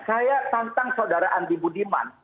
saya tantang saudara andi budiman